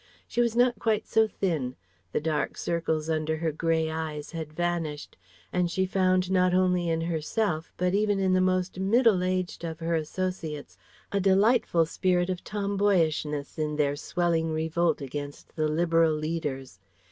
She was not quite so thin, the dark circles under her grey eyes had vanished, and she found not only in herself but even in the most middle aged of her associates a delightful spirit of tomboyishness in their swelling revolt against the Liberal leaders.